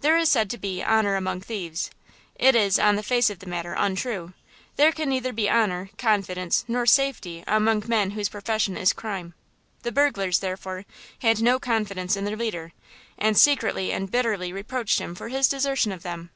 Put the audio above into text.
There is said to be "honor among thieves." It is, on the face of it, untrue; there can be neither honor, confidence nor safety among men whose profession is crime. The burglars, therefore, had no confidence in their leader, and secretly and bitterly reproached him for his desertion of them.